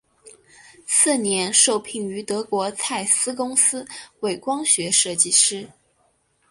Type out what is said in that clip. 次年受聘于德国蔡司公司为光学设计师。